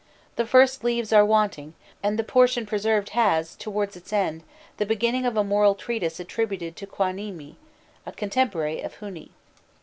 The first leaves are wanting, and the portion preserved has, towards its end, the beginning of a moral treatise attributed to Qaqimnî, a contemporary of Hûni.